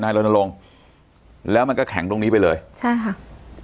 โรนลงแล้วมันก็แข็งตรงนี้ไปเลยใช่ค่ะ